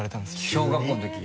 小学校の時に？